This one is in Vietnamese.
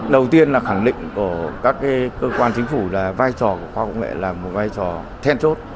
đầu tiên là khẳng định của các cơ quan chính phủ là vai trò của khoa học công nghệ là một vai trò then chốt